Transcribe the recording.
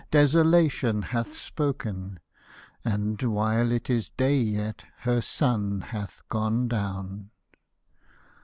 Desolation hath spoken, And " while it is day yet, her sun hath gone down."